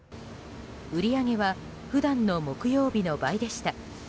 売り上げは普段の木曜日の倍でした。